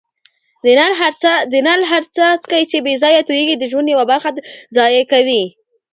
د نل هر څاڅکی چي بې ځایه تویېږي د ژوند یوه برخه ضایع کوي.